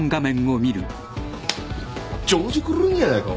ジョージ・クルーニーやないか。